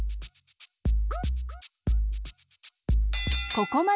ここまで！